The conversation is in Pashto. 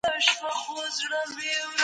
په خوب کې اعتدال وکړئ.